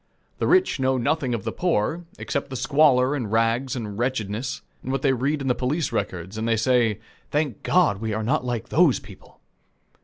The rich know nothing of the poor, except the squalor and rags and wretchedness, and what they read in the police records, and they say, "Thank God, we are not like those people!"